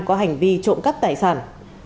có hành vi trộm cắp tài sản